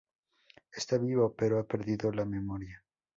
Está vivo pero ha perdido la memoria.